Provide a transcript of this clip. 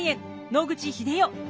野口英世。